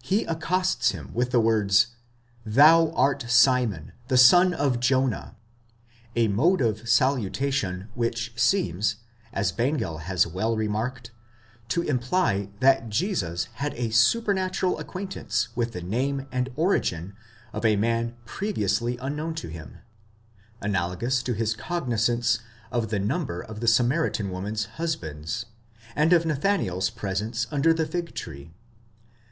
He accosts him with the words, Zhou art Simon, the son of Jona,—a mode of salu tation which seems, as Bengel has well remarked,® to imply that Jesus had a supernatural acquaintance with the name and origin of a man previously un known to him, analogous to his cognizance of the number of the Samaritan woman's husbands, and of Nathanael's presence under the fig tree.